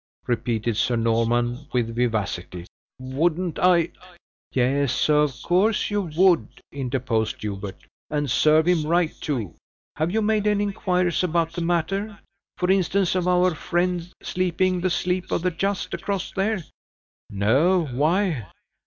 repeated Sir Norman, with vivacity; "wouldn't I " "Yes, of course you would," interposed Hubert, "and serve him right, too! Have you made any inquiries about the matter for instance, of our friend sleeping the sleep of the just, across there?" "No why?"